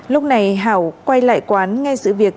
lúc này hảo quay lại quán ngay giữa việc